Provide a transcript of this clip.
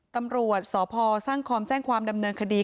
ตำรวจสพสร้างคอมแจ้งความดำเนินคดี